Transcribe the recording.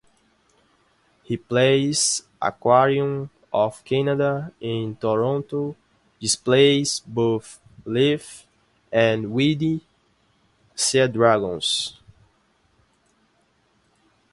Ripley's Aquarium of Canada in Toronto displays both leafy and weedy seadragons.